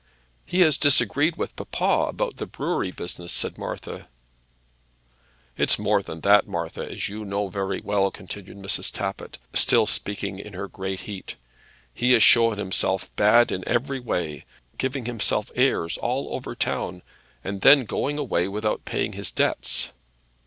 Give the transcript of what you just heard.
"He has disagreed with papa about the brewery business," said Martha. "It's more than that, Martha, as you know very well," continued Mrs. Tappitt, still speaking in her great heat. "He has shown himself bad in every way, giving himself airs all over the town, and then going away without paying his debts."